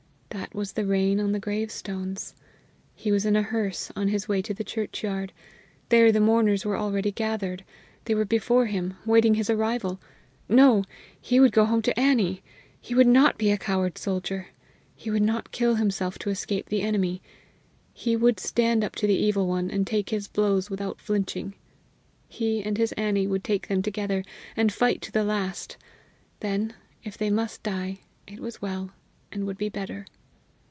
That was the rain on the gravestones. He was in a hearse, on his way to the churchyard. There the mourners were already gathered. They were before him, waiting his arrival. No! He would go home to Annie! He would not be a coward soldier! He would not kill himself to escape the enemy! He would stand up to the Evil One, and take his blows without flinching. He and his Annie would take them together, and fight to the last. Then, if they must die, it was well, and would be better.